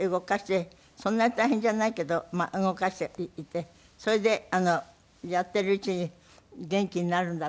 そんなに大変じゃないけど動かしていてそれでやっているうちに元気になるんだったらね